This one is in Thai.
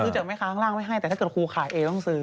แต่ถ้าเกิดครูขายเองต้องซื้อ